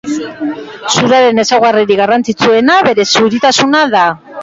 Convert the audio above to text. Zuraren ezaugarririk garrantzitsuena bere zuritasuna da.